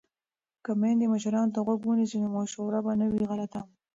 که میندې مشرانو ته غوږ ونیسي نو مشوره به نه وي غلطه.